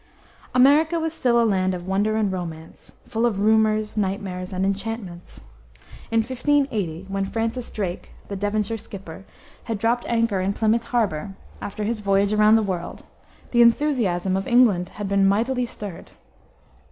America was still a land of wonder and romance, full of rumors, nightmares, and enchantments. In 1580, when Francis Drake, "the Devonshire Skipper," had dropped anchor in Plymouth harbor, after his voyage around the world, the enthusiasm of England had been mightily stirred.